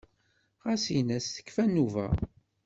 Ɣas in-as tekfa nnuba.